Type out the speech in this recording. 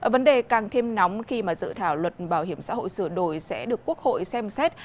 vấn đề càng thêm nóng khi mà dự thảo luật bảo hiểm xã hội sửa đổi sẽ được quốc hội xem xét